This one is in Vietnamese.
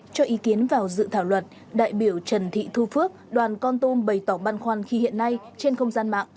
cho ý kiến vào dự thảo luận đại biểu trần thị thu phước đoàn con tôm bày tỏ băn khoan khi hiện nay trên không gian mạng